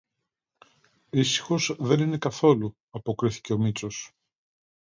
Ήσυχος δεν είναι καθόλου, αποκρίθηκε ο Μήτσος